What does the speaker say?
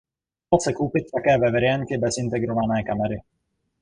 Dal se koupit také ve variantě bez integrované kamery.